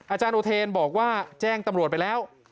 อาจารย์อุเทนบอกว่าแจ้งตำรวจไปแล้ว